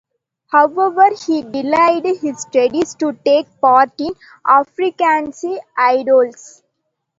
However he delayed his studies to take part in "Afrikaanse Idols".